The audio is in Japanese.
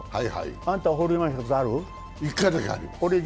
あんたはホールインワンしたことある？